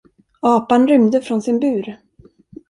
Apan rymde från sin bur.